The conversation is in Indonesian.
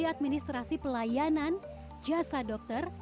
administrasi pelayanan jasa dokter